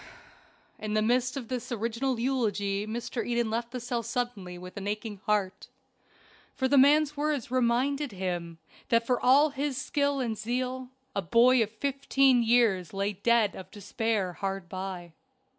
In the midst of this original eulogy Mr. Eden left the cell suddenly with an aching heart, for the man's words reminded him that for all his skill and zeal a boy of fifteen years lay dead of despair hard by.